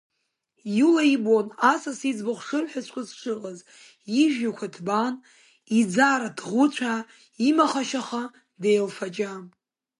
Иула ибон Асас иӡбахә шырҳәаҵәҟьоз дшыҟаз, ижәҩақәа ҭбаан, иӡара ҭӷәыцәаа, имахашьаха деилфаҷа.